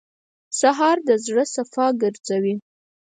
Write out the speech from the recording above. سهار د زړه صفا ګرځوي.